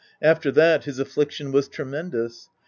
After that, his affliction was tremendous.